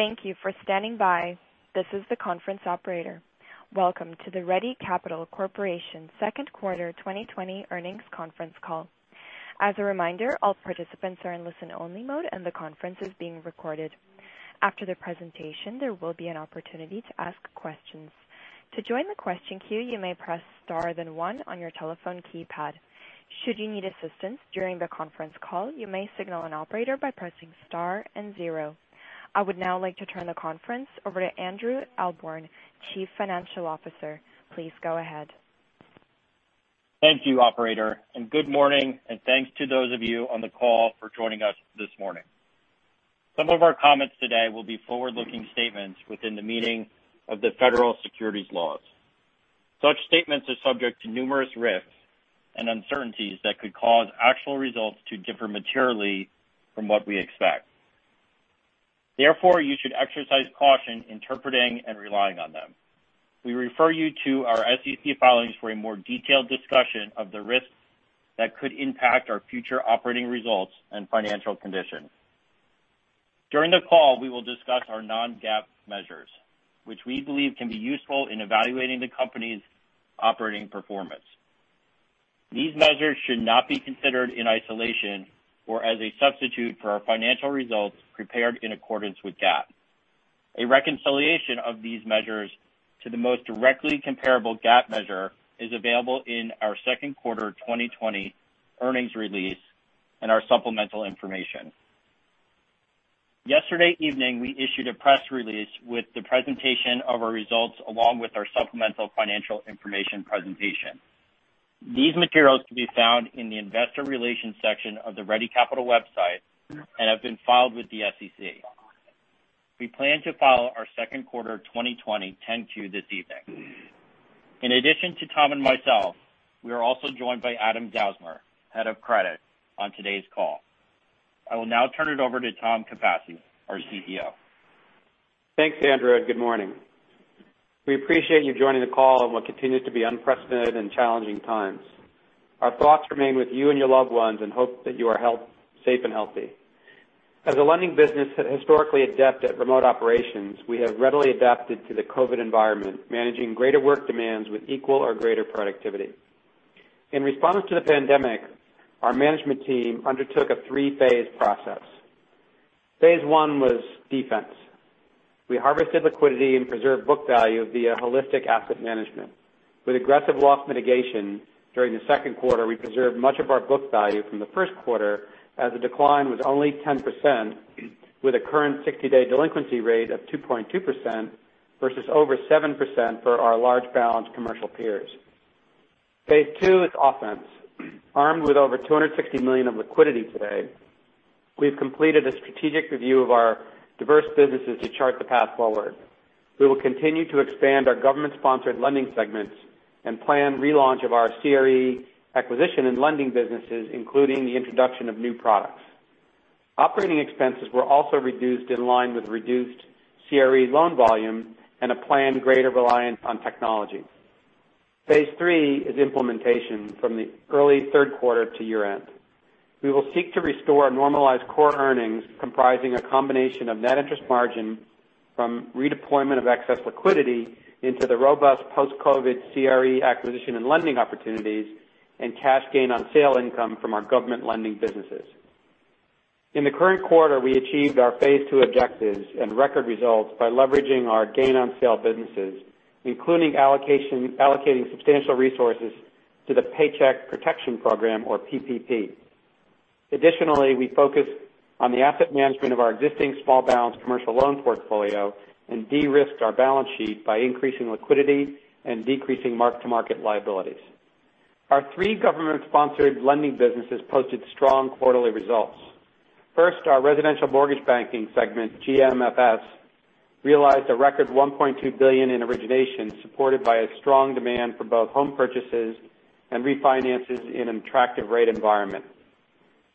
Thank you for standing by. This is the conference operator. Welcome to the Ready Capital Corporation Q2 2020 Earnings Conference Call. As a reminder, all participants are in listen only mode, and the conference is being recorded. After the presentation, there will be an opportunity to ask questions. To join the question queue, you may press star then one on your telephone keypad. Should you need assistance during the conference call, you may signal an operator by pressing star and zero. I would now like to turn the conference over to Andrew Ahlborn, Chief Financial Officer. Please go ahead. Thank you, operator, and good morning, and thanks to those of you on the call for joining us this morning. Some of our comments today will be forward-looking statements within the meaning of the federal securities laws. Such statements are subject to numerous risks and uncertainties that could cause actual results to differ materially from what we expect. Therefore, you should exercise caution interpreting and relying on them. We refer you to our SEC filings for a more detailed discussion of the risks that could impact our future operating results and financial conditions. During the call, we will discuss our non-GAAP measures, which we believe can be useful in evaluating the company's operating performance. These measures should not be considered in isolation or as a substitute for our financial results prepared in accordance with GAAP. A reconciliation of these measures to the most directly comparable GAAP measure is available in our Q2 2020 earnings release and our supplemental information. Yesterday evening, we issued a press release with the presentation of our results, along with our supplemental financial information presentation. These materials can be found in the investor relations section of the Ready Capital website and have been filed with the SEC. We plan to file our Q2 2020 10-Q this evening. In addition to Tom and myself, we are also joined by Adam Zausmer, Head of Credit, on today's call. I will now turn it over to Tom Capasse, our CEO. Thanks, Andrew, and good morning. We appreciate you joining the call in what continue to be unprecedented and challenging times. Our thoughts remain with you and your loved ones and hope that you are safe and healthy. As a lending business historically adept at remote operations, we have readily adapted to the COVID environment, managing greater work demands with equal or greater productivity. In response to the pandemic, our management team undertook a three-phase process. Phase I was defense. We harvested liquidity and preserved book value via holistic asset management. With aggressive loss mitigation during the Q2, we preserved much of our book value from the first quarter, as the decline was only 10%, with a current 60-day delinquency rate of 2.2%, versus over 7% for our large balance CRE peers. Phase II is offense. Armed with over $260 million of liquidity today, we've completed a strategic review of our diverse businesses to chart the path forward. We will continue to expand our government-sponsored lending segments and plan relaunch of our CRE acquisition and lending businesses, including the introduction of new products. Operating expenses were also reduced in line with reduced CRE loan volume and a planned greater reliance on technology. Phase III is implementation from the early third quarter to year-end. We will seek to restore normalized core earnings comprising a combination of net interest margin from redeployment of excess liquidity into the robust post-COVID CRE acquisition and lending opportunities and cash gain on sale income from our government lending businesses. In the current quarter, we achieved our phase II objectives and record results by leveraging our gain on sale businesses, including allocating substantial resources to the Paycheck Protection Program or PPP. Additionally, we focused on the asset management of our existing small balance commercial loan portfolio and de-risked our balance sheet by increasing liquidity and decreasing mark-to-market liabilities. Our three government-sponsored lending businesses posted strong quarterly results. First, our residential mortgage banking segment, GMFS, realized a record $1.2 billion in origination, supported by a strong demand for both home purchases and refinances in an attractive rate environment.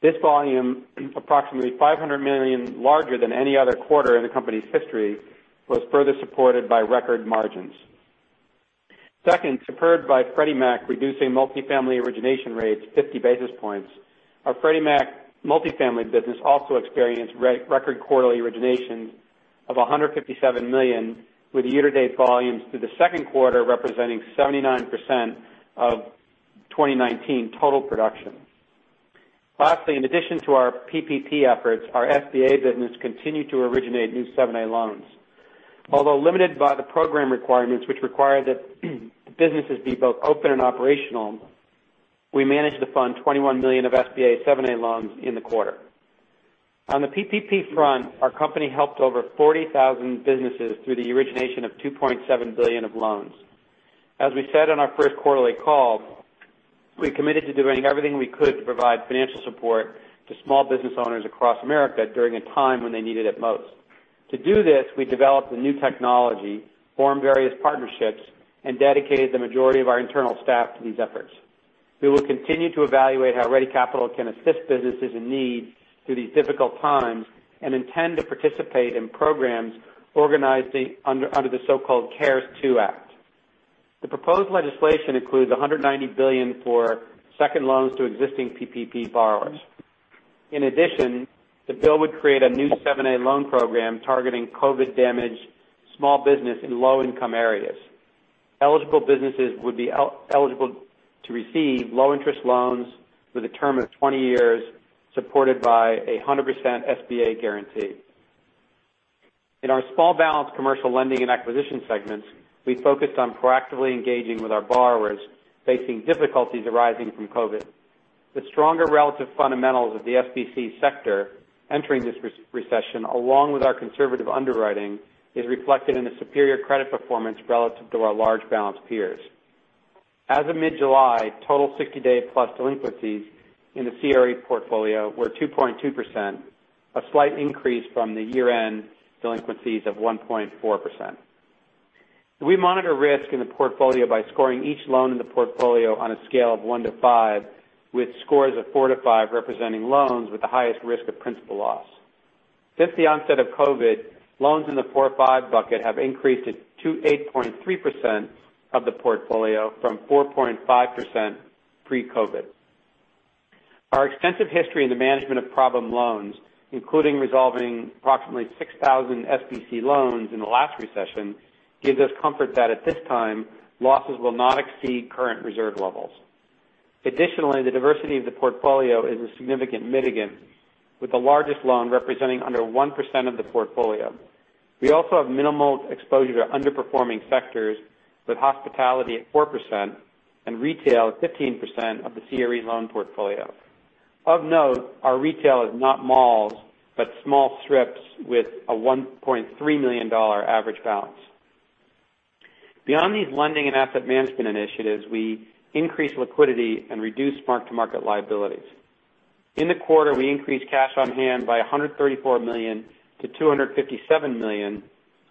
This volume, approximately $500 million larger than any other quarter in the company's history, was further supported by record margins. Second, spurred by Freddie Mac reducing multifamily origination rates 50 basis points, our Freddie Mac multifamily business also experienced record quarterly originations of $157 million, with year-to-date volumes through the second quarter representing 79% of 2019 total production. Lastly, in addition to our PPP efforts, our SBA business continued to originate new 7(a) loans. Although limited by the program requirements, which require that businesses be both open and operational, we managed to fund $21 million of SBA 7(a) loans in the quarter. On the PPP front, our company helped over 40,000 businesses through the origination of $2.7 billion of loans. As we said on our first quarterly call, we committed to doing everything we could to provide financial support to small business owners across America during a time when they needed it most. To do this, we developed a new technology, formed various partnerships, and dedicated the majority of our internal staff to these efforts. We will continue to evaluate how Ready Capital can assist businesses in need through these difficult times and intend to participate in programs organized under the so-called CARES 2 Act. The proposed legislation includes $190 billion for second loans to existing PPP borrowers. In addition, the bill would create a new 7(a) loan program targeting COVID-damaged small business in low-income areas. Eligible businesses would be eligible to receive low-interest loans with a term of 20 years, supported by 100% SBA guarantee. In our small balance commercial lending and acquisition segments, we focused on proactively engaging with our borrowers facing difficulties arising from COVID. The stronger relative fundamentals of the SBC sector entering this recession, along with our conservative underwriting, is reflected in the superior credit performance relative to our large balance peers. As of mid-July, total 60-day plus delinquencies in the CRE portfolio were 2.2%, a slight increase from the year-end delinquencies of 1.4%. We monitor risk in the portfolio by scoring each loan in the portfolio on a scale of one to five, with scores of four to five representing loans with the highest risk of principal loss. Since the onset of COVID, loans in the four or five bucket have increased to 8.3% of the portfolio from 4.5% pre-COVID. Our extensive history in the management of problem loans, including resolving approximately 6,000 SBC loans in the last recession, gives us comfort that at this time, losses will not exceed current reserve levels. Additionally, the diversity of the portfolio is a significant mitigant, with the largest loan representing under 1% of the portfolio. We also have minimal exposure to underperforming sectors, with hospitality at 4% and retail at 15% of the CRE loan portfolio. Of note, our retail is not malls, but small strips with a $1.3 million average balance. Beyond these lending and asset management initiatives, we increased liquidity and reduced mark-to-market liabilities. In the quarter, we increased cash on hand by $134 million-$257 million,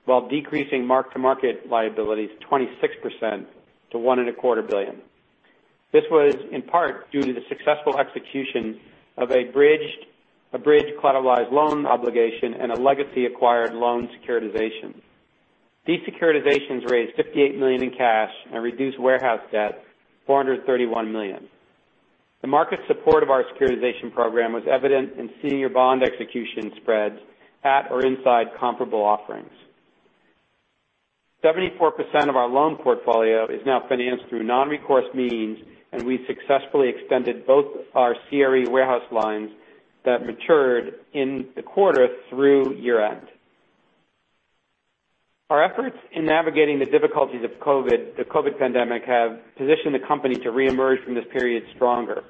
while decreasing mark-to-market liabilities 26% to $1.25 billion. This was in part due to the successful execution of a bridged collateralized loan obligation and a legacy acquired loan securitization. These securitizations raised $58 million in cash and reduced warehouse debt to $431 million. The market support of our securitization program was evident in senior bond execution spreads at or inside comparable offerings. 74% of our loan portfolio is now financed through non-recourse means, and we successfully extended both our CRE warehouse lines that matured in the quarter through year-end. Our efforts in navigating the difficulties of the COVID pandemic have positioned the company to reemerge from this period stronger.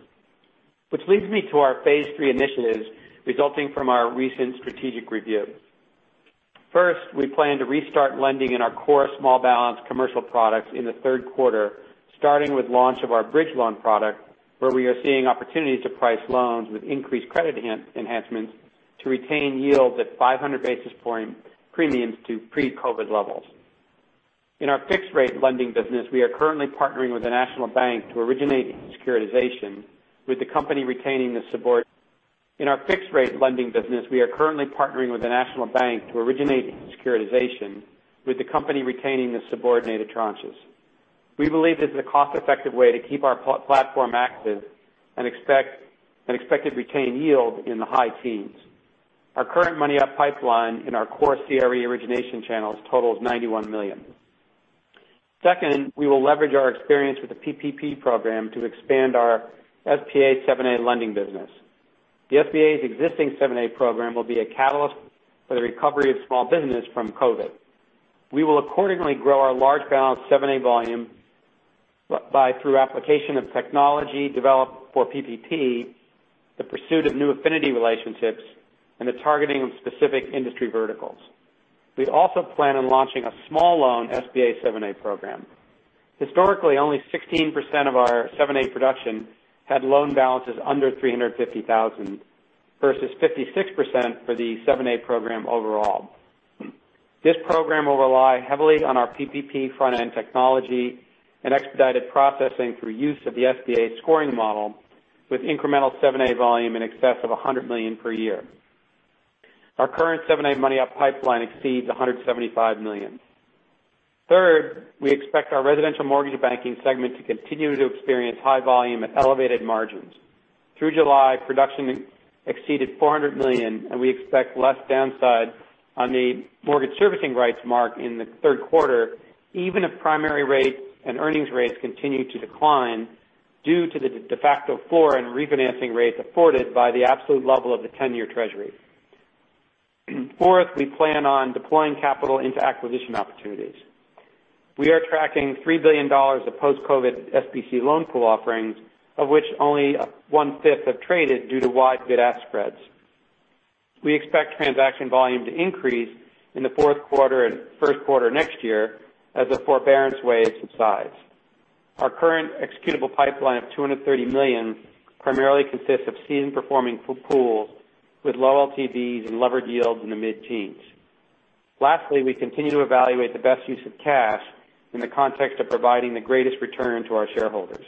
Which leads me to our phase III initiatives resulting from our recent strategic review. First, we plan to restart lending in our core small balance commercial products in the third quarter, starting with launch of our bridge loan product, where we are seeing opportunities to price loans with increased credit enhancements to retain yields at 500 basis point premiums to pre-COVID levels. In our fixed rate lending business, we are currently partnering with a national bank to originate securitization with the company retaining the subordinate tranches. We believe this is a cost-effective way to keep our platform active and expect to retain yield in the high teens. Our current money-up pipeline in our core CRE origination channels totals $91 million. Second, we will leverage our experience with the PPP program to expand our SBA 7(a) lending business. The SBA's existing 7(a) program will be a catalyst for the recovery of small business from COVID. We will accordingly grow our large balance 7(a) volume through application of technology developed for PPP, the pursuit of new affinity relationships, and the targeting of specific industry verticals. We also plan on launching a small loan SBA 7(a) program. Historically, only 16% of our 7(a) production had loan balances under 350,000 versus 56% for the 7(a) program overall. This program will rely heavily on our PPP front-end technology and expedited processing through use of the SBA scoring model with incremental 7(a) volume in excess of $100 million per year. Our current 7(a) money-up pipeline exceeds $175 million. Third, we expect our residential mortgage banking segment to continue to experience high volume at elevated margins. Through July, production exceeded $400 million, and we expect less downside on the mortgage servicing rights mark in the third quarter, even if primary rates and earnings rates continue to decline due to the de facto floor and refinancing rates afforded by the absolute level of the 10-year Treasury. Fourth, we plan on deploying capital into acquisition opportunities. We are tracking $3 billion of post-COVID SBC loan pool offerings, of which only 1/5 have traded due to wide bid-ask spreads. We expect transaction volume to increase in the fourth quarter and Q1 next year as the forbearance wave subsides. Our current executable pipeline of $230 million primarily consists of seasoned performing pools with low LTVs and levered yields in the mid-teens. Lastly, we continue to evaluate the best use of cash in the context of providing the greatest return to our shareholders.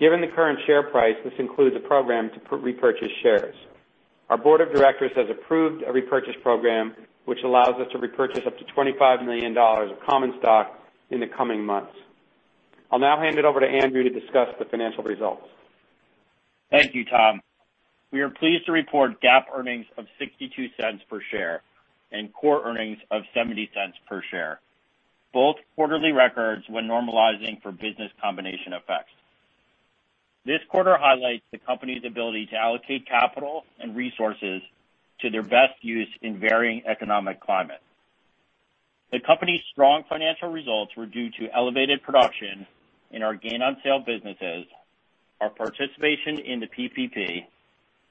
Given the current share price, this includes a program to repurchase shares. Our board of directors has approved a repurchase program which allows us to repurchase up to $25 million of common stock in the coming months. I'll now hand it over to Andrew to discuss the financial results. Thank you, Tom. We are pleased to report GAAP earnings of $0.62 per share and core earnings of $0.70 per share. Both quarterly records when normalizing for business combination effects. This quarter highlights the company's ability to allocate capital and resources to their best use in varying economic climates. The company's strong financial results were due to elevated production in our gain-on-sale businesses, our participation in the PPP,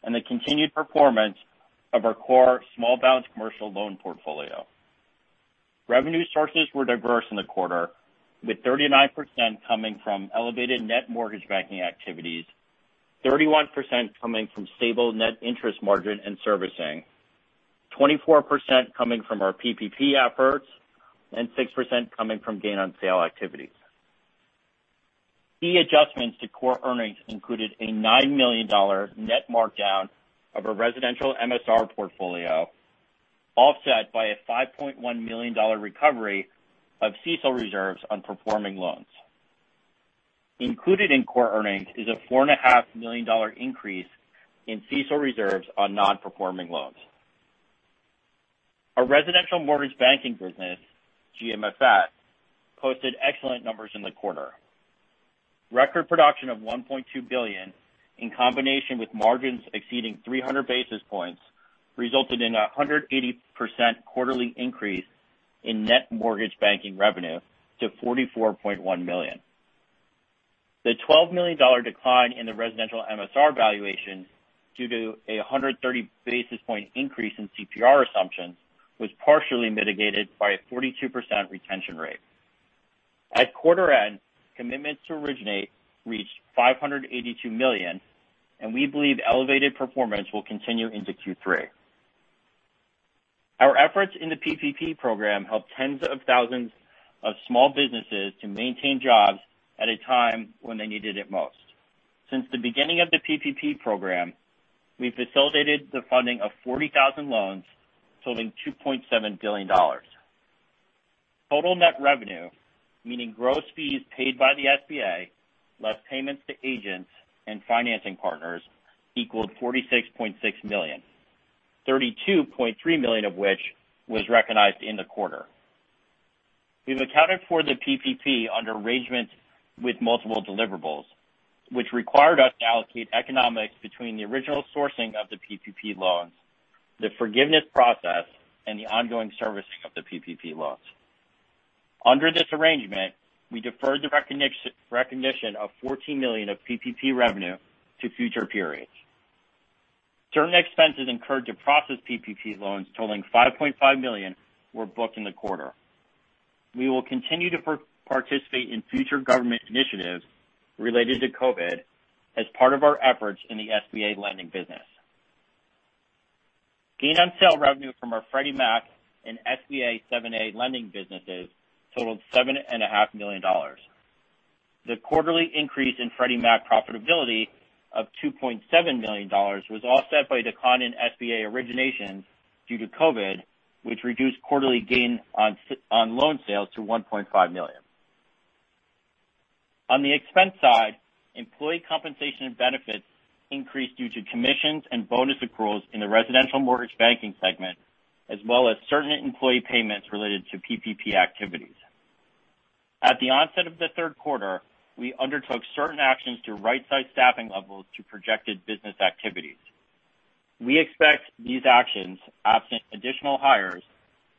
and the continued performance of our core small balance commercial loan portfolio. Revenue sources were diverse in the quarter, with 39% coming from elevated net mortgage banking activities, 31% coming from stable net interest margin and servicing, 24% coming from our PPP efforts, and 6% coming from gain on sale activities. Key adjustments to core earnings included a $9 million net markdown of our residential MSR portfolio, offset by a $5.1 million recovery of CECL reserves on performing loans. Included in core earnings is a four and a half million dollar increase in CECL reserves on non-performing loans. Our residential mortgage banking business, GMFS, posted excellent numbers in the quarter. Record production of $1.2 billion, in combination with margins exceeding 300 basis points, resulted in 180% quarterly increase in net mortgage banking revenue to $44.1 million. The $12 million decline in the residential MSR valuation due to a 130 basis point increase in CPR assumptions was partially mitigated by a 42% retention rate. At quarter end, commitments to originate reached $582 million, and we believe elevated performance will continue into Q3. Our efforts in the PPP Program helped tens of thousands of small businesses to maintain jobs at a time when they needed it most. Since the beginning of the PPP Program, we've facilitated the funding of 40,000 loans totaling $2.7 billion. Total net revenue, meaning gross fees paid by the SBA, less payments to agents and financing partners, equaled $46.6 million, $32.3 million of which was recognized in the quarter. We've accounted for the PPP under arrangements with multiple deliverables, which required us to allocate economics between the original sourcing of the PPP loans, the forgiveness process, and the ongoing servicing of the PPP loans. Under this arrangement, we deferred the recognition of $14 million of PPP revenue to future periods. Certain expenses incurred to process PPP loans totaling $5.5 million were booked in the quarter. We will continue to participate in future government initiatives related to COVID as part of our efforts in the SBA lending business. Gain-on-sale revenue from our Freddie Mac and SBA 7(a) lending businesses totaled $7.5 million. The quarterly increase in Freddie Mac profitability of $2.7 million was offset by a decline in SBA originations due to COVID, which reduced quarterly gains on loan sales to $1.5 million. On the expense side, employee compensation and benefits increased due to commissions and bonus accruals in the residential mortgage banking segment, as well as certain employee payments related to PPP activities. At the onset of the Q3, we undertook certain actions to right-size staffing levels to projected business activities. We expect these actions, absent additional hires,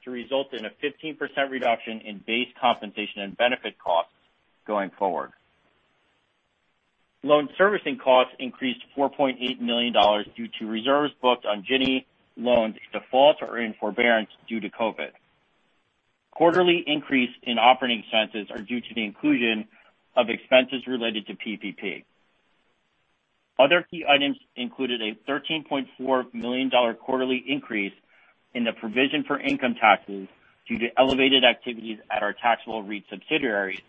to result in a 15% reduction in base compensation and benefit costs going forward. Loan servicing costs increased to $4.8 million due to reserves booked on Ginnie Mae loans in default or in forbearance due to COVID. Quarterly increase in operating expenses are due to the inclusion of expenses related to PPP. Other key items included a $13.4 million quarterly increase in the provision for income taxes due to elevated activities at our taxable REIT subsidiaries.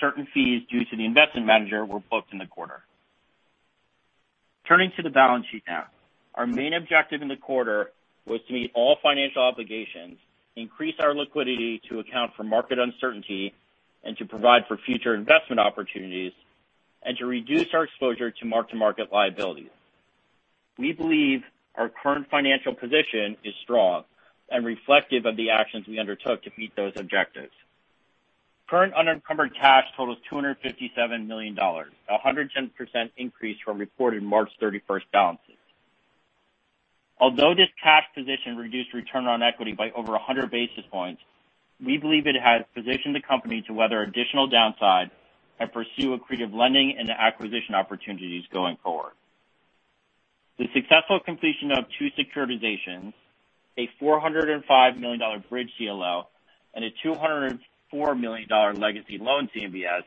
Certain fees due to the investment manager were booked in the quarter. Turning to the balance sheet now. Our main objective in the quarter was to meet all financial obligations, increase our liquidity to account for market uncertainty and to provide for future investment opportunities, and to reduce our exposure to mark-to-market liabilities. We believe our current financial position is strong and reflective of the actions we undertook to meet those objectives. Current unencumbered cash totals $257 million, a 110% increase from reported March 31st balances. Although this cash position reduced return on equity by over 100 basis points, we believe it has positioned the company to weather additional downside and pursue accretive lending and acquisition opportunities going forward. The successful completion of two securitizations, a $405 million bridge CLO, and a $204 million legacy loan CMBS,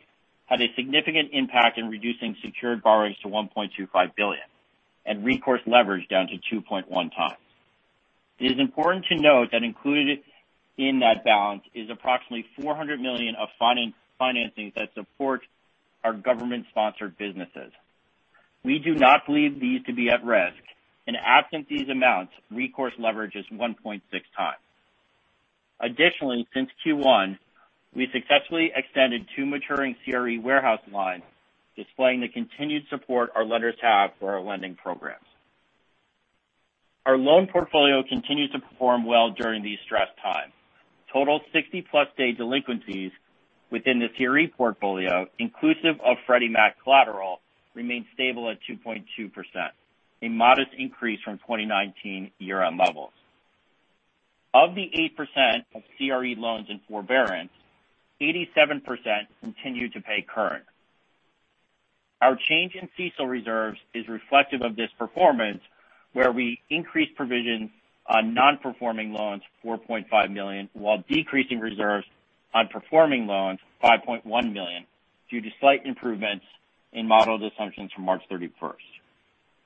had a significant impact in reducing secured borrowings to $1.25 billion and recourse leverage down to 2.1 times. It is important to note that included in that balance is approximately $400 million of financings that support our government-sponsored businesses. We do not believe these to be at risk. Absent these amounts, recourse leverage is 1.6 times. Additionally, since Q1, we successfully extended two maturing CRE warehouse lines, displaying the continued support our lenders have for our lending programs. Our loan portfolio continued to perform well during these stressed times. Total 60-plus day delinquencies within the CRE portfolio, inclusive of Freddie Mac collateral, remained stable at 2.2%, a modest increase from 2019 year-end levels. Of the 8% of CRE loans in forbearance, 87% continue to pay current. Our change in CECL reserves is reflective of this performance, where we increased provisions on non-performing loans $4.5 million, while decreasing reserves on performing loans $5.1 million, due to slight improvements in modeled assumptions from March 31st.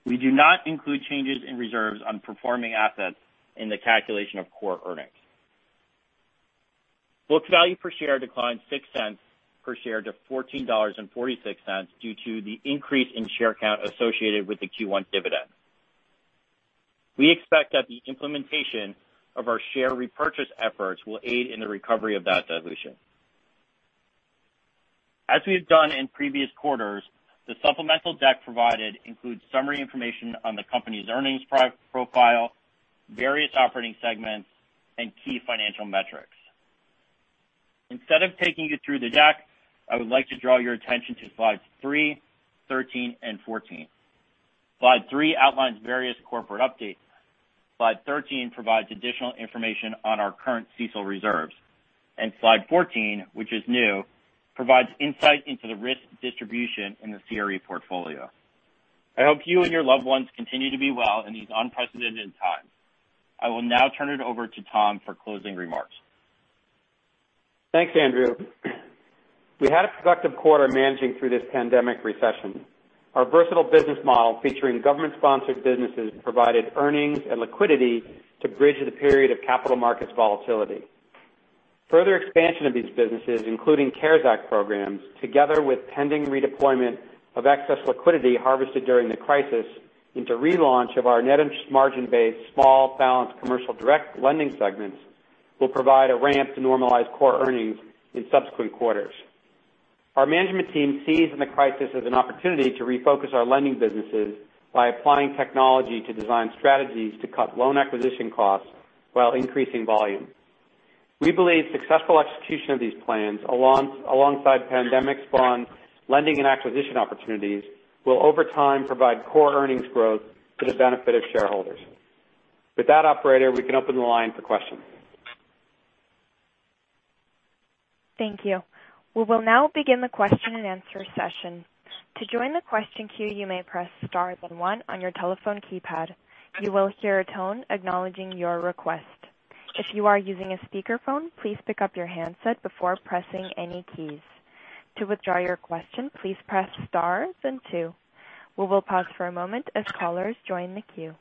We do not include changes in reserves on performing assets in the calculation of core earnings. Book value per share declined $0.06 per share to $14.46 due to the increase in share count associated with the Q1 dividend. We expect that the implementation of our share repurchase efforts will aid in the recovery of that dilution. As we've done in previous quarters, the supplemental deck provided includes summary information on the company's earnings profile, various operating segments, and key financial metrics. Instead of taking you through the deck, I would like to draw your attention to slides three, 13, and 14. Slide three outlines various corporate updates. Slide 13 provides additional information on our current CECL reserves. Slide 14, which is new, provides insight into the risk distribution in the CRE portfolio. I hope you and your loved ones continue to be well in these unprecedented times. I will now turn it over to Tom for closing remarks. Thanks, Andrew. We had a productive quarter managing through this pandemic recession. Our versatile business model featuring government-sponsored businesses provided earnings and liquidity to bridge the period of capital markets volatility. Further expansion of these businesses, including CARES Act programs, together with pending redeployment of excess liquidity harvested during the crisis into relaunch of our net interest margin-based Small Balance Commercial direct lending segments, will provide a ramp to normalized core earnings in subsequent quarters. Our management team seized the crisis as an opportunity to refocus our lending businesses by applying technology to design strategies to cut loan acquisition costs while increasing volume. We believe successful execution of these plans alongside pandemic-spawned lending and acquisition opportunities will over time provide core earnings growth to the benefit of shareholders. With that, operator, we can open the line for questions. Thank you. We will now begin the question and answer session. To join the question queue you may press star then one on your telephone keypad. You will hear a tone acknowledging your request. If you are using a speaker phone please pick up your handset before pressing any keys. To withdraw your question please press star then two. We will pause for a moment as callers join the queue.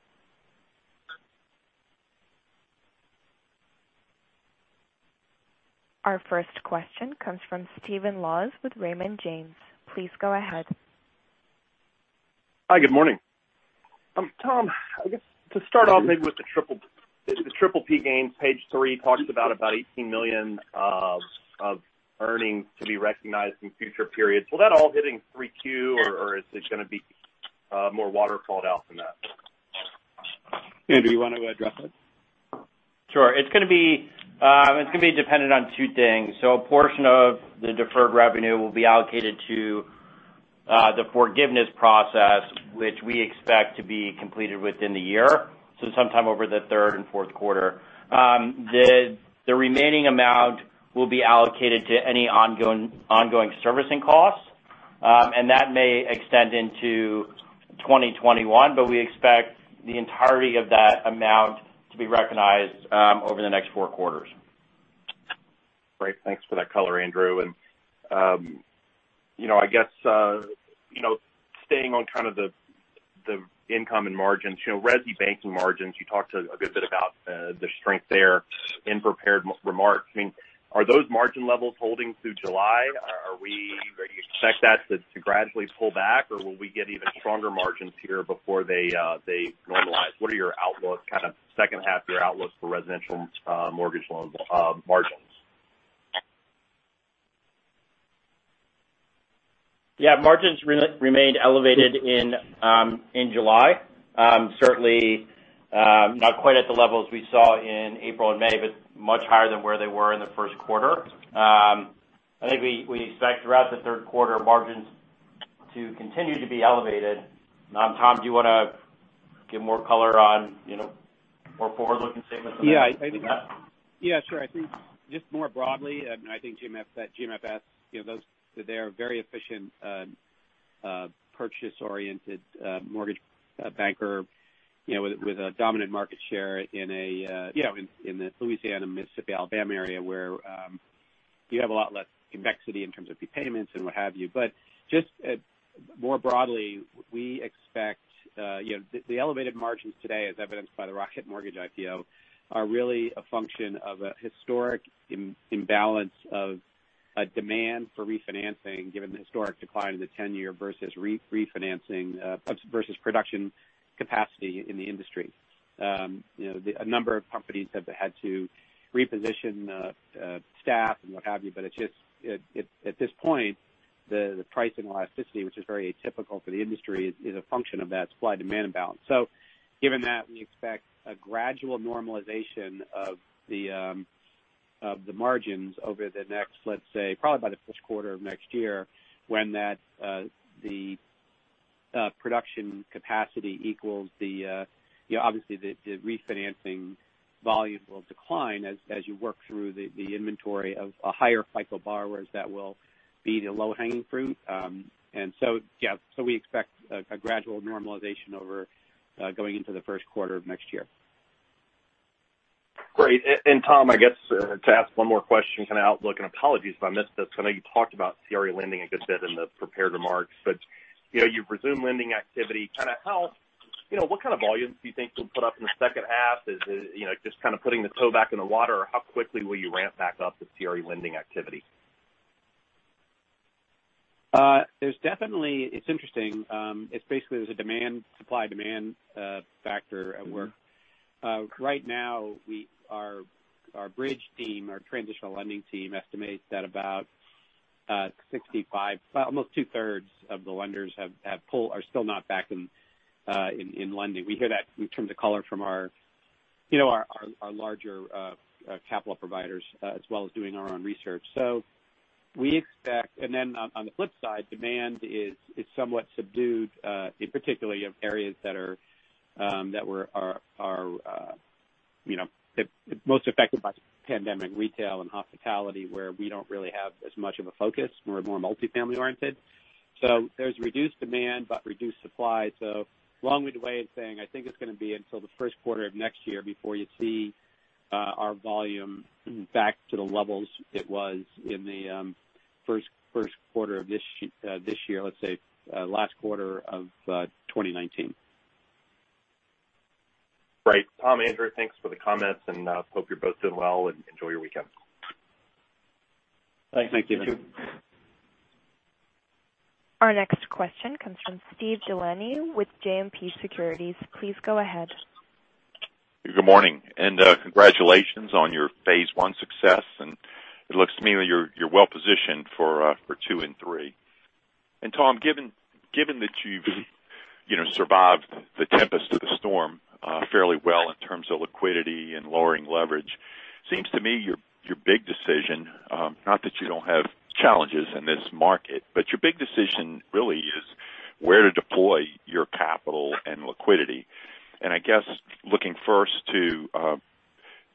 Our first question comes from Stephen Laws with Raymond James. Please go ahead. Hi, good morning. Tom, I guess to start off maybe with the triple P gain. Page three talks about $18 million of earnings to be recognized in future periods. Will that all hit in 3Q, or is it going to be more waterfalled out than that? Andrew, you want to address that? Sure. It's going to be dependent on two things. A portion of the deferred revenue will be allocated to the forgiveness process, which we expect to be completed within the year. Sometime over the Q3 and Q4. The remaining amount will be allocated to any ongoing servicing costs. That may extend into 2021, but we expect the entirety of that amount to be recognized over the next four quarters. Great. Thanks for that color, Andrew. I guess staying on kind of the income and margins. Resi banking margins, you talked a good bit about the strength there in prepared remarks. Are those margin levels holding through July? Do you expect that to gradually pull back, or will we get even stronger margins here before they normalize? What are your outlook, kind of second half-year outlooks for residential mortgage loans margins? Yeah. Margins remained elevated in July. Certainly not quite at the levels we saw in April and May, but much higher than where they were in the first quarter. I think we expect throughout the third quarter margins to continue to be elevated. Tom, do you want to give more color on more forward-looking statements than that? Sure. I think just more broadly, I think GMFS, those sit there, very efficient purchase-oriented mortgage banker with a dominant market share in the Louisiana, Mississippi, Alabama area where you have a lot less convexity in terms of prepayments and what have you. Just more broadly, we expect the elevated margins today, as evidenced by the Rocket Mortgage IPO, are really a function of a historic imbalance of a demand for refinancing, given the historic decline in the 10-year versus production capacity in the industry. A number of companies have had to reposition staff and what have you. At this point, the pricing elasticity, which is very atypical for the industry, is a function of that supply-demand imbalance. Given that, we expect a gradual normalization of the margins over the next, let's say, probably by the Q1 of next year, when the production capacity equals obviously, the refinancing volumes will decline as you work through the inventory of higher FICO borrowers that will be the low-hanging fruit. We expect a gradual normalization going into the Q1 of next year. Great. Tom, I guess, to ask one more question, kind of outlook, and apologies if I missed this? I know you talked about CRE lending a good bit in the prepared remarks, but you've resumed lending activity. What kind of volumes do you think you'll put up in the second half? Is it just kind of putting the toe back in the water? How quickly will you ramp back up the CRE lending activity? It's interesting. It's basically there's a supply-demand factor at work. Right now, our bridge team, our transitional lending team, estimates that about 65, almost two-thirds of the lenders are still not back in lending. We hear that in terms of color from our larger capital providers, as well as doing our own research. On the flip side, demand is somewhat subdued, particularly in areas that were most affected by the pandemic, retail and hospitality, where we don't really have as much of a focus. We're more multi-family oriented. There's reduced demand, but reduced supply. Along with the way of saying, I think it's going to be until the Q1 of next year before you see our volume back to the levels it was in the Q1 of this year, let's say last quarter of 2019. Right. Tom, Andrew, thanks for the comments, and hope you're both doing well, and enjoy your weekend. Thanks. Thank you. Our next question comes from Steve DeLaney with JMP Securities. Please go ahead. Good morning, congratulations on your phase I success. It looks to me that you're well-positioned for two and three. Tom, given that you've survived the tempest of the storm fairly well in terms of liquidity and lowering leverage, seems to me your big decision, not that you don't have challenges in this market, but your big decision really is where to deploy your capital and liquidity. I guess looking first to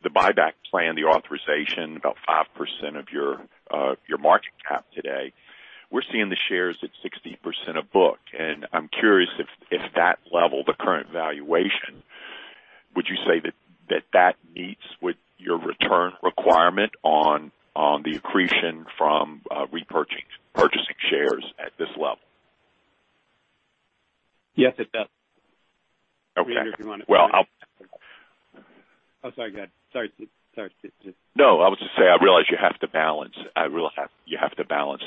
the buyback plan, the authorization, about 5% of your market cap today. We're seeing the shares at 60% of book. I'm curious if that level, the current valuation, would you say that that meets with your return requirement on the accretion from repurchasing shares at this level? Yes, it does. Okay. Andrew, if you want to- Well, I'll- Oh, sorry, go ahead. Sorry, Steve. No, I was just going to say, I realize you have to balance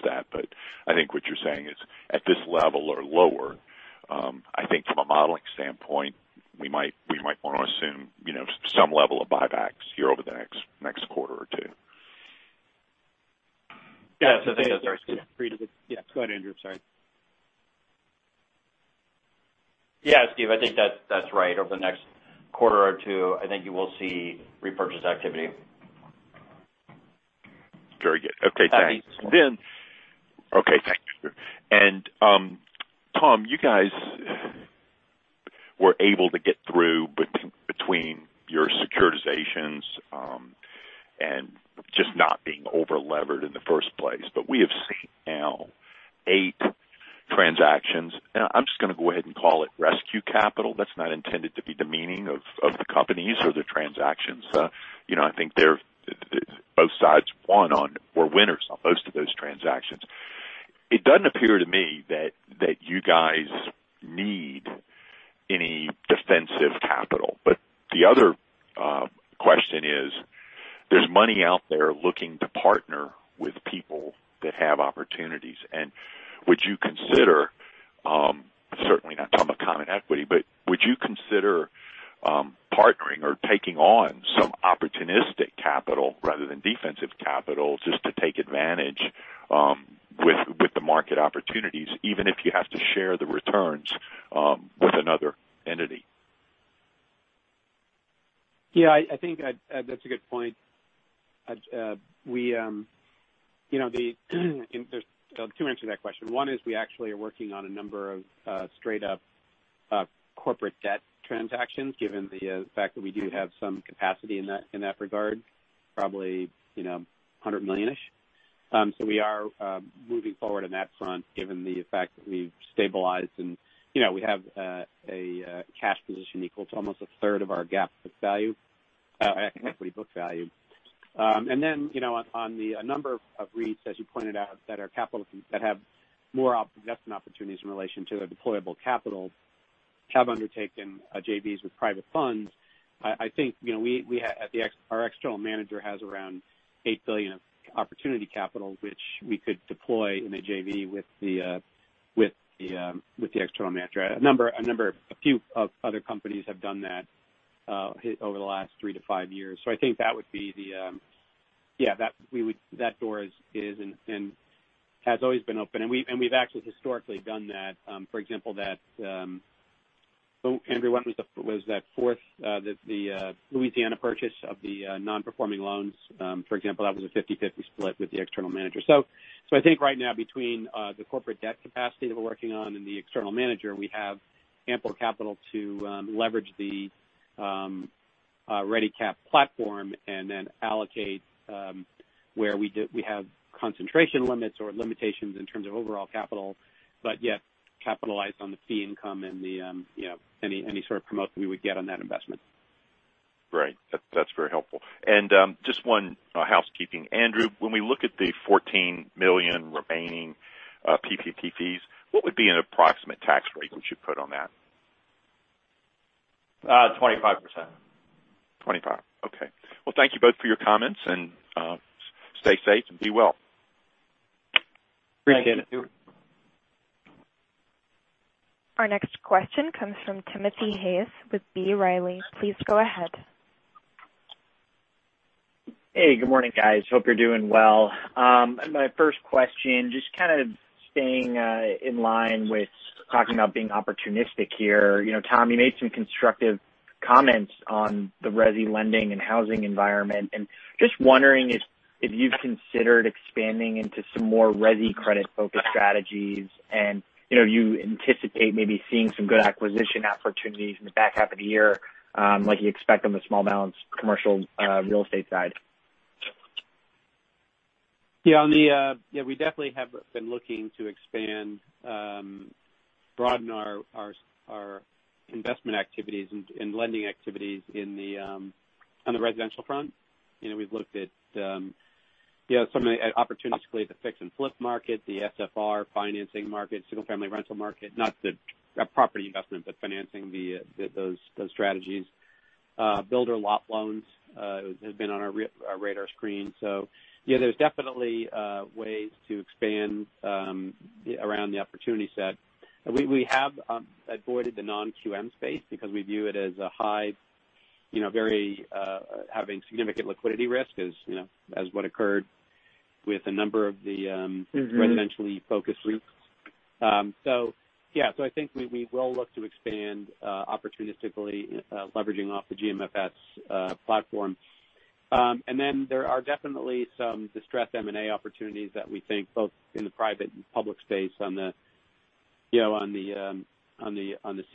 that, but I think what you're saying is at this level or lower. I think from a modeling standpoint, we might want to assume some level of buybacks here over the next quarter or two. Yeah. Go ahead, Andrew. Sorry. Yeah, Steve, I think that's right. Over the next quarter or two, I think you will see repurchase activity. Very good. Okay, thanks. At least. Tom, you guys were able to get through between your securitizations and just not being over-levered in the first place. We have seen now eight transactions. I'm just going to go ahead and call it rescue capital. That's not intended to be demeaning of the companies or the transactions. I think both sides were winners on most of those transactions. It doesn't appear to me that you guys need any defensive capital. The other question is there's money out there looking to partner with people that have opportunities. Would you consider, certainly not talking about common equity, but would you consider partnering or taking on some opportunistic capital rather than defensive capital just to take advantage with the market opportunities, even if you have to share the returns with another entity? Yeah, I think that's a good point. To answer that question, one is, we actually are working on a number of straight-up corporate debt transactions, given the fact that we do have some capacity in that regard, probably $100 million-ish. We are moving forward on that front, given the fact that we've stabilized and we have a cash position equal to almost a third of our GAAP book value, equity book value. On the number of REITs, as you pointed out, that have more investment opportunities in relation to their deployable capital, have undertaken JVs with private funds. I think our external manager has around $8 billion of opportunity capital, which we could deploy in a JV with the external manager. A few other companies have done that over the last 3-5 years. I think that door is and has always been open. We've actually historically done that. For example, Andrew, what was that fourth, the Louisiana Purchase of the non-performing loans? For example, that was a 50/50 split with the external manager. I think right now between the corporate debt capacity that we're working on and the external manager, we have ample capital to leverage the ReadyCap platform and then allocate where we have concentration limits or limitations in terms of overall capital, but yet capitalize on the fee income and any sort of promote that we would get on that investment. Right. That's very helpful. Just one housekeeping. Andrew, when we look at the $14 million remaining PP&T fees, what would be an approximate tax rate we should put on that? 25%. 25%. Okay. Well, thank you both for your comments, and stay safe and be well. Appreciate it. Thank you. Our next question comes from Timothy Hayes with B. Riley. Please go ahead. Hey, good morning, guys. Hope you're doing well. My first question, just kind of staying in line with talking about being opportunistic here. Tom, you made some constructive comments on the resi lending and housing environment, and just wondering if you've considered expanding into some more resi credit-focused strategies, and you anticipate maybe seeing some good acquisition opportunities in the back half of the year, like you expect on the small balance commercial real estate side. Yeah, we definitely have been looking to expand, broaden our investment activities and lending activities on the residential front. We've looked at some opportunities, basically the fix and flip market, the SFR financing market, single-family rental market, not the property investment, but financing those strategies. Builder lot loans have been on our radar screen. Yeah, there's definitely ways to expand around the opportunity set. We have avoided the non-QM space because we view it as having significant liquidity risk. Residentially focused REITs. Yeah. I think we will look to expand opportunistically leveraging off the GMFS platform. There are definitely some distressed M&A opportunities that we think both in the private and public space on the C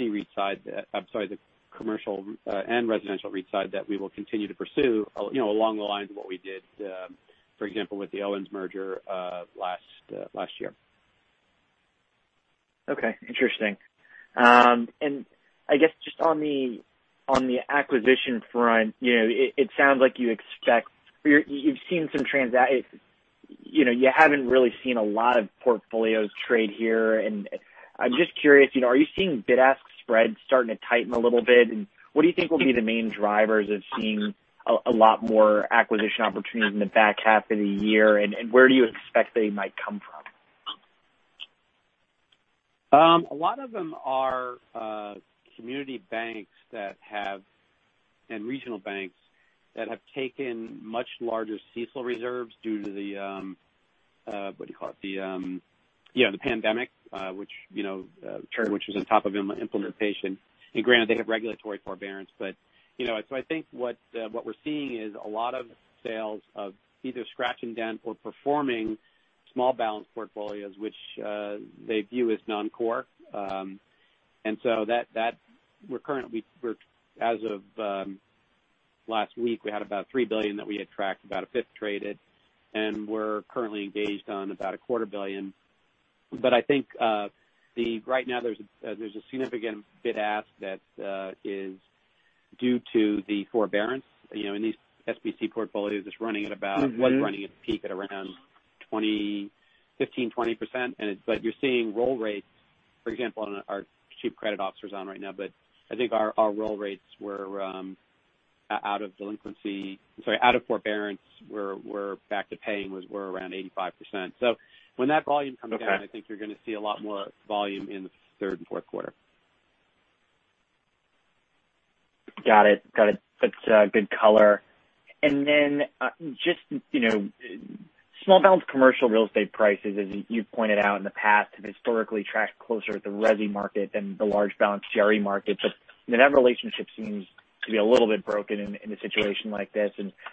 REIT side, I'm sorry, the commercial and residential REIT side that we will continue to pursue along the lines of what we did, for example, with the Owens merger last year. Okay. Interesting. I guess just on the acquisition front, it sounds like you haven't really seen a lot of portfolios trade here. I'm just curious, are you seeing bid-ask spreads starting to tighten a little bit? What do you think will be the main drivers of seeing a lot more acquisition opportunities in the back half of the year, and where do you expect they might come from? A lot of them are community banks and regional banks that have taken much larger CECL reserves due to the, what do you call it? The pandemic which was on top of implementation. Granted, they have regulatory forbearance. I think what we're seeing is a lot of sales of either scratch and dent or performing small balance portfolios, which they view as non-core. As of last week, we had about $3 billion that we had tracked, about a fifth traded, and we're currently engaged on about a quarter billion. I think right now there's a significant bid-ask that is due to the forbearance in these SBC portfolios. It was running at a peak at around 15%-20%. You're seeing roll rates, for example, and our Chief Credit Officer's on right now. I think our roll rates out of forbearance were back to paying were around 85%. When that volume comes down. Okay I think you're going to see a lot more volume in the Q3 and Q4. Got it. That's good color. Then just small balance commercial real estate prices, as you've pointed out in the past, have historically tracked closer to the resi market than the large balance CRE market. That relationship seems to be a little bit broken in a situation like this.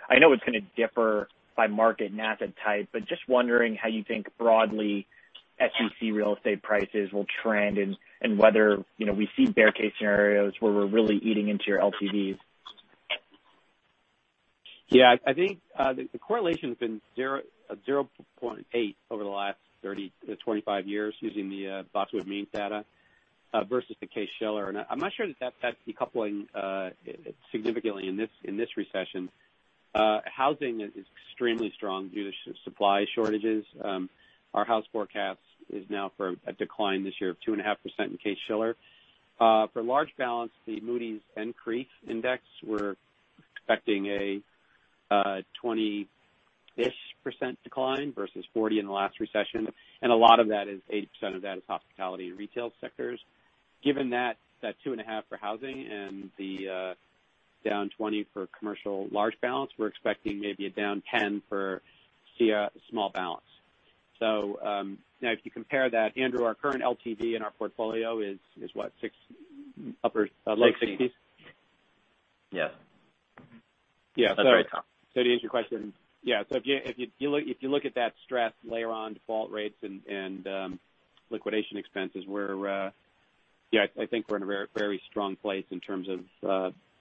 I know it's going to differ by market and asset type, but just wondering how you think broadly SBC real estate prices will trend, and whether we see bear case scenarios where we're really eating into your LTVs. Yeah, I think the correlation's been 0.8 over the last 25 years using the Boxwood Means data versus the Case-Shiller. I'm not sure that that's decoupling significantly in this recession. Housing is extremely strong due to supply shortages. Our house forecast is now for a decline this year of 2.5% in Case-Shiller. For large balance, the Moody's NCREIF index, we're expecting a 20-ish% decline versus 40 in the last recession. A lot of that is 80% of that is hospitality and retail sectors. Given that 2.5% for housing and the down 20 for commercial large balance, we're expecting maybe a down 10 for SBC small balance. Now if you compare that, Andrew, our current LTV in our portfolio is what? Low 60s? Yes. Yeah. That's right, Tom. To answer your question, yeah. If you look at that stress layer on default rates and liquidation expenses, I think we're in a very strong place in terms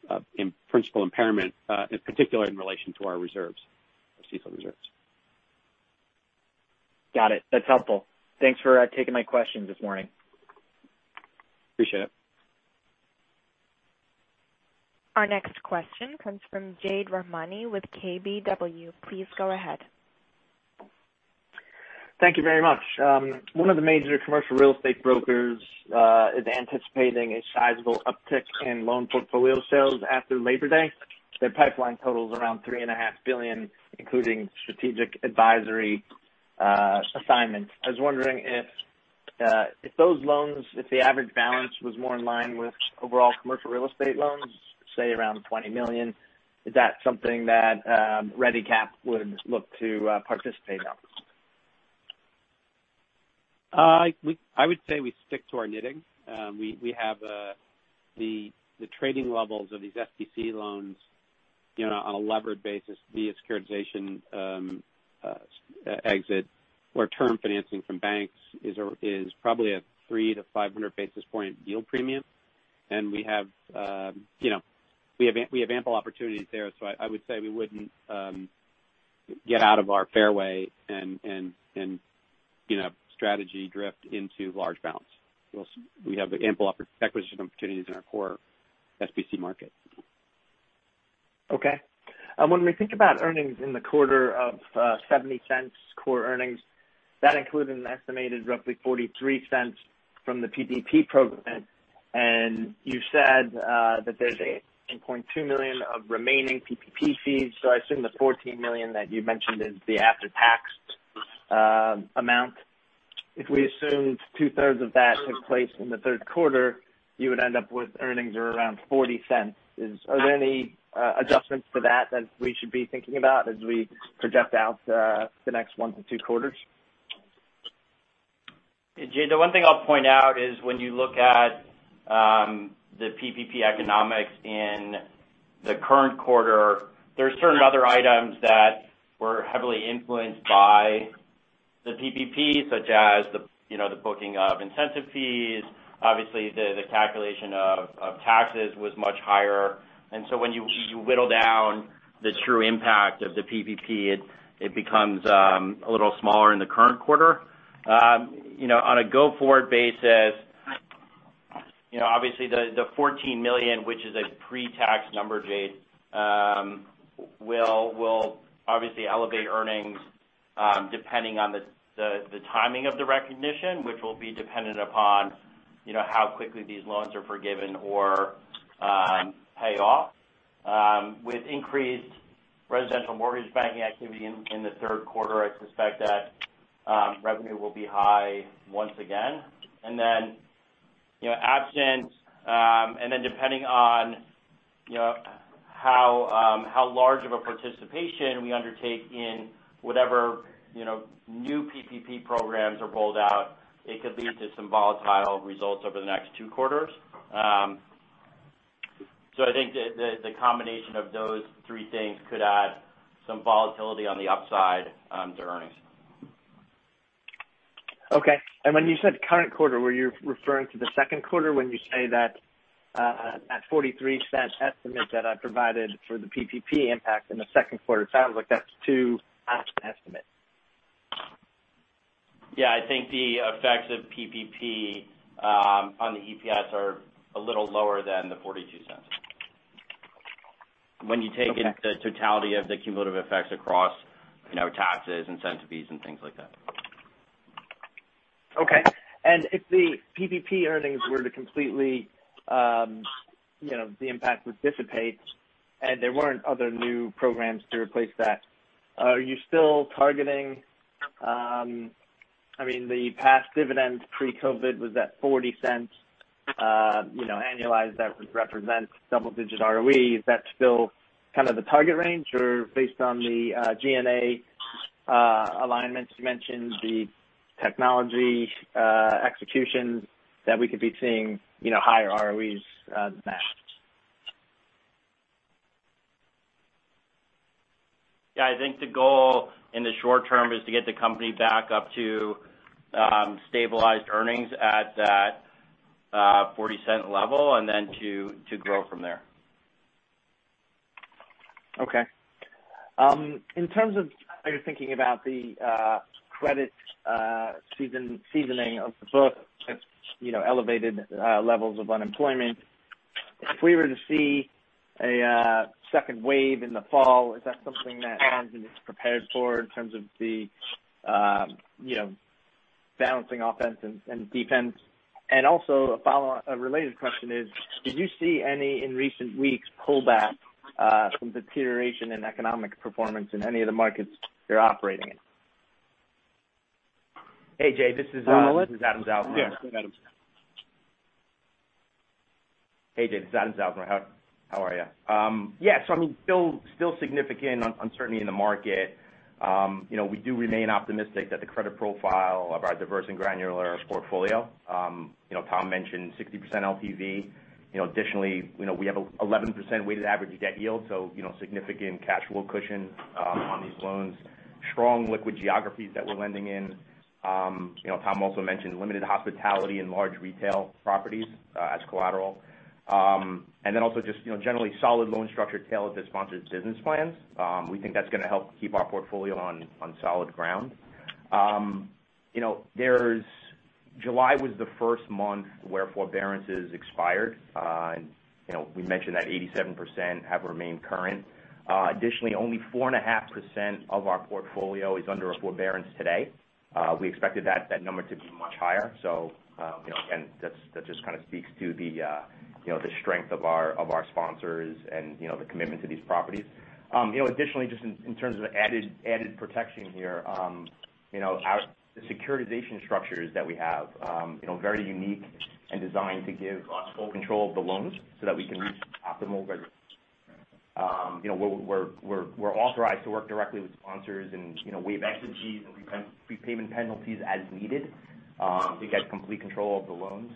of principal impairment, in particular in relation to our CECL reserves. Got it. That's helpful. Thanks for taking my questions this morning. Appreciate it. Our next question comes from Jade Rahmani with KBW. Please go ahead. Thank you very much. One of the major commercial real estate brokers is anticipating a sizable uptick in loan portfolio sales after Labor Day. Their pipeline totals around $3.5 billion, including strategic advisory assignments. I was wondering if those loans, if the average balance was more in line with overall commercial real estate loans, say around $20 million, is that something that ReadyCap would look to participate in? I would say we stick to our knitting. We have the trading levels of these FDIC loans on a levered basis via securitization exit, where term financing from banks is probably a 3-500 basis point yield premium. We have ample opportunities there. I would say we wouldn't get out of our fairway and strategy drift into large balance. We have ample acquisition opportunities in our core SBC market. Okay. When we think about earnings in the quarter of $0.70 core earnings, that included an estimated roughly $0.43 from the PPP program. You've said that there's $8.2 million of remaining PPP fees. I assume the $14 million that you mentioned is the after-tax amount. If we assumed two-thirds of that took place in the Q3, you would end up with earnings of around $0.40. Are there any adjustments to that we should be thinking about as we project out the next one to two quarters? Jade, the one thing I'll point out is when you look at the PPP economics in the current quarter, there are certain other items that were heavily influenced by the PPP, such as the booking of incentive fees. Obviously, the calculation of taxes was much higher. When you whittle down the true impact of the PPP, it becomes a little smaller in the current quarter. On a go-forward basis, obviously the $14 million, which is a pre-tax number, Jade, will obviously elevate earnings depending on the timing of the recognition, which will be dependent upon how quickly these loans are forgiven or pay off. With increased residential mortgage banking activity in the Q3, I suspect that revenue will be high once again. Depending on how large of a participation we undertake in whatever new PPP programs are rolled out, it could lead to some volatile results over the next two quarters. I think the combination of those three things could add some volatility on the upside to earnings. Okay. When you said current quarter, were you referring to the Q2 when you say that $0.43 estimate that I provided for the PPP impact in the second quarter? It sounds like that's too much to estimate. I think the effects of PPP on the EPS are a little lower than the $0.42. When you take in the totality of the cumulative effects across taxes, incentive fees, and things like that. Okay. If the PPP earnings were to completely the impact would dissipate, and there weren't other new programs to replace that, are you still targeting the past dividends pre-COVID was at $0.40. Annualized, that represents double-digit ROE. Is that still kind of the target range? Based on the G&A alignments you mentioned, the technology execution that we could be seeing higher ROEs than that. Yeah, I think the goal in the short term is to get the company back up to stabilized earnings at $0.40 level, and then to grow from there. Okay. In terms of how you're thinking about the credit seasoning of the book, elevated levels of unemployment. If we were to see a second wave in the fall, is that something that Ready Capital is prepared for in terms of the balancing offense and defense? Also a related question is, did you see any, in recent weeks, pullback from deterioration in economic performance in any of the markets you're operating in? Hey, Jade, this is Adam Zausmer. Yeah. Go ahead, Adam. Hey, Jade, this is Adam Zausmer. How are you? Yeah. Still significant uncertainty in the market. We do remain optimistic that the credit profile of our diverse and granular portfolio. Tom mentioned 60% LTV. We have 11% weighted average debt yield, so significant capital cushion on these loans. Strong liquid geographies that we're lending in. Tom also mentioned limited hospitality and large retail properties as collateral. Also just generally solid loan structure tailored to sponsored business plans. We think that's going to help keep our portfolio on solid ground. July was the first month where forbearances expired. We mentioned that 87% have remained current. Only 4.5% of our portfolio is under a forbearance today. We expected that number to be much higher. Again, that just kind of speaks to the strength of our sponsors and the commitment to these properties. Additionally, just in terms of added protection here. The securitization structures that we have, very unique and designed to give us full control of the loans so that we can reach optimal. We're authorized to work directly with sponsors and waive fees and prepayment penalties as needed to get complete control of the loans.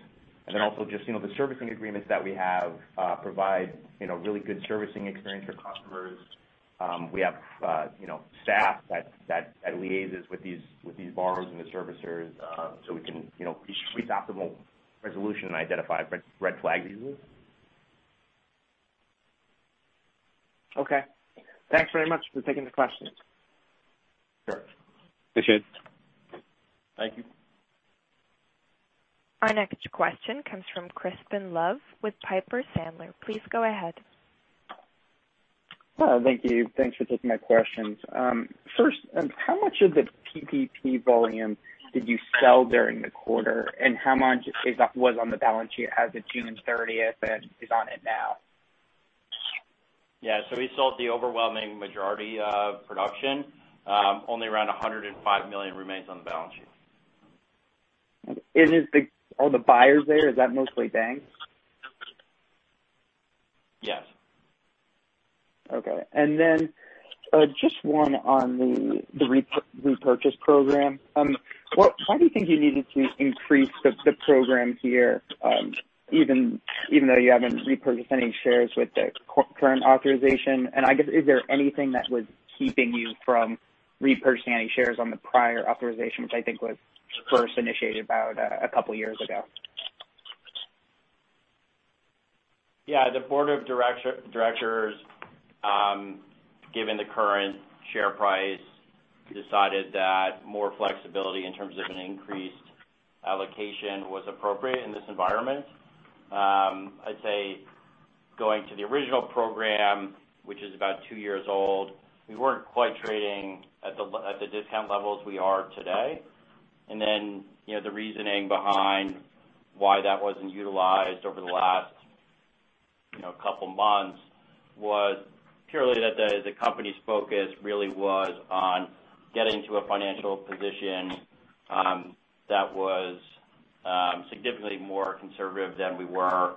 Also just the servicing agreements that we have provide really good servicing experience for customers. We have staff that liaises with these borrowers and the servicers so we can reach optimal resolution and identify red flag issues. Okay. Thanks very much for taking the questions. Sure. Appreciate it. Thank you. Our next question comes from Crispin Love with Piper Sandler. Please go ahead. Thank you. Thanks for taking my questions. First, how much of the PPP volume did you sell during the quarter? How much was on the balance sheet as of June 30th and is on it now? Yeah. We sold the overwhelming majority of production. Only around $105 million remains on the balance sheet. Are the buyers there, is that mostly banks? Yes. Okay. Just one on the repurchase program. Why do you think you needed to increase the program here even though you haven't repurchased any shares with the current authorization? I guess, is there anything that was keeping you from repurchasing any shares on the prior authorization, which I think was first initiated about a couple of years ago? Yeah. The board of directors given the current share price, decided that more flexibility in terms of an increased allocation was appropriate in this environment. I'd say going to the original program, which is about two years old, we weren't quite trading at the discount levels we are today. The reasoning behind why that wasn't utilized over the last couple months was purely that the company's focus really was on getting to a financial position that was significantly more conservative than we were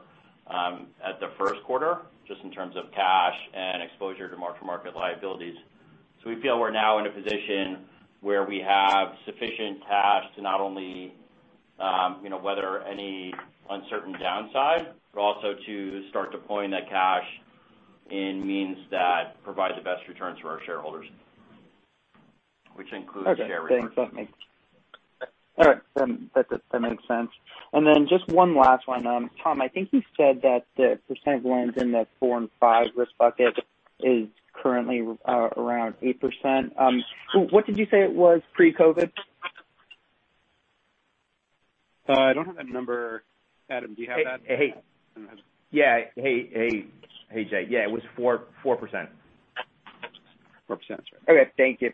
at the first quarter, just in terms of cash and exposure to mark-to-market liabilities. We feel we're now in a position where we have sufficient cash to not only weather any uncertain downside, but also to start deploying that cash in means that provide the best returns for our shareholders, which includes share repurchase. Okay. Thanks. That makes sense. Then just one last one. Tom, I think you said that the percent of loans in the four and five risk bucket is currently around 8%. What did you say it was pre-COVID? I don't have that number. Adam, do you have that? Yeah. Hey, Jade. Yeah, it was 4%. 4%. That's right. Okay. Thank you.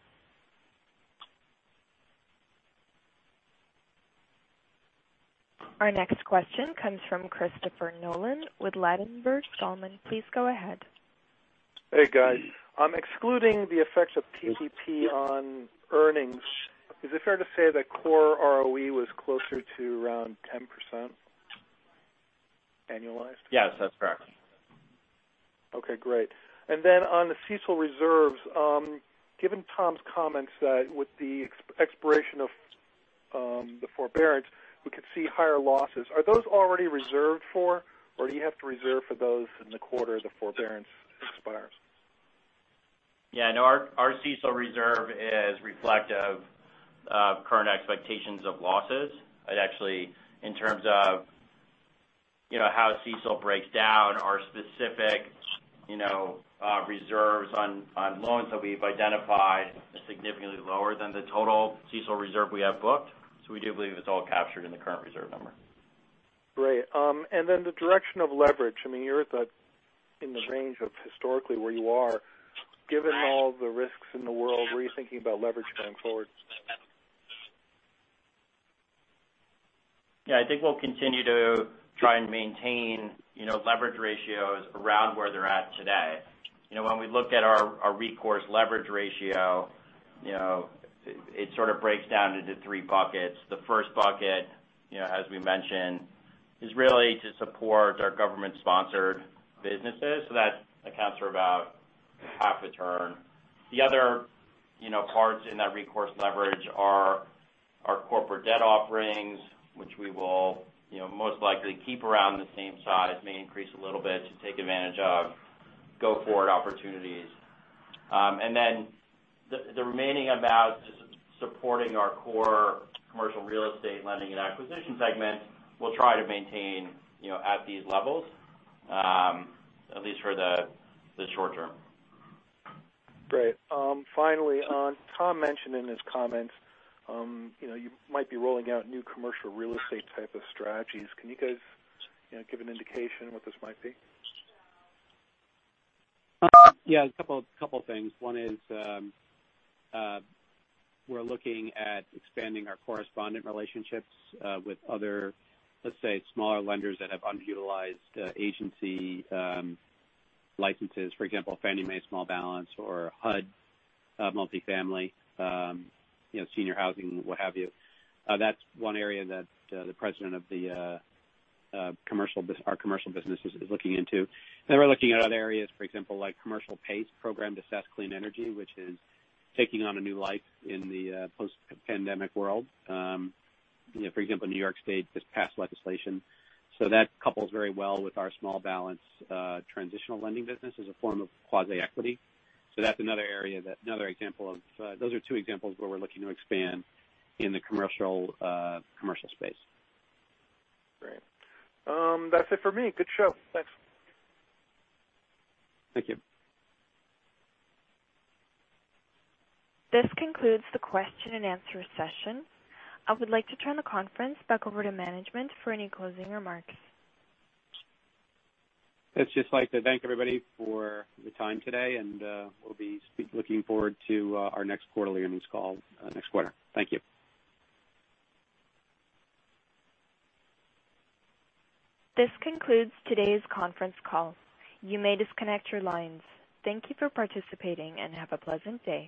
Our next question comes from Christopher Nolan with Ladenburg Thalmann. Please go ahead. Hey, guys. Excluding the effects of PPP on earnings, is it fair to say that core ROE was closer to around 10% annualized? Yes, that's correct. Okay, great. On the CECL reserves, given Tom's comments that with the expiration of the forbearance, we could see higher losses. Are those already reserved for or do you have to reserve for those in the quarter the forbearance expires? Yeah, I know our CECL reserve is reflective of current expectations of losses. Actually, in terms of how CECL breaks down, our specific reserves on loans that we've identified is significantly lower than the total CECL reserve we have booked. We do believe it's all captured in the current reserve number. Great. The direction of leverage. You're in the range of historically where you are. Given all the risks in the world, were you thinking about leverage going forward? Yeah, I think we'll continue to try and maintain leverage ratios around where they're at today. When we look at our recourse leverage ratio, it sort of breaks down into three buckets. The first bucket, as we mentioned, is really to support our government-sponsored businesses. That accounts for about half a turn. The other parts in that recourse leverage are our corporate debt offerings, which we will most likely keep around the same size, may increase a little bit to take advantage of go-forward opportunities. The remaining amount is supporting our core commercial real estate lending and acquisition segment. We'll try to maintain at these levels, at least for the short term. Great. Finally, Tom mentioned in his comments you might be rolling out new commercial real estate type of strategies. Can you guys give an indication what this might be? Yeah, a couple of things. One is we're looking at expanding our correspondent relationships with other, let's say, smaller lenders that have underutilized agency licenses. For example, Fannie Mae small balance or HUD multifamily, senior housing, what have you. That's one area that the president of our commercial business is looking into. We're looking at other areas, for example, like commercial PACE program to assess clean energy, which is taking on a new life in the post-pandemic world. For example, New York State just passed legislation. That couples very well with our small balance transitional lending business as a form of quasi-equity. Those are two examples where we're looking to expand in the commercial space. Great. That's it for me. Good show. Thanks. Thank you. This concludes the question and answer session. I would like to turn the conference back over to management for any closing remarks. I'd just like to thank everybody for the time today, and we'll be looking forward to our next quarterly earnings call next quarter. Thank you. This concludes today's conference call. You may disconnect your lines. Thank you for participating and have a pleasant day.